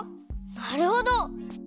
なるほど！